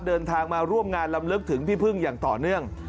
เดินทางมาร่วมงานลำลึกถึงพี่พึ่งอย่างต่อเนื่อง